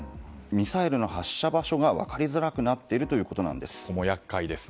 ミサイルの発射場所が分かりづらくなっているということです。